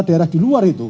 daerah di luar itu